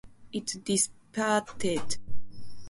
It dissipated shortly thereafter.